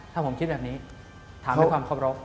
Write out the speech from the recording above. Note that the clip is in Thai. ถ้าผมคิดแบบนี้ถามให้ความความรบ